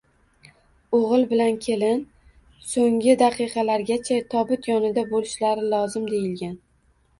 O`g`il bilan kelin so`nggi daqiqalargacha tobut yonida bo`lishlari lozim, deyilgan